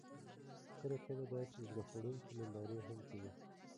کله، کله داسې زړه خوړونکې نندارې هم کوي: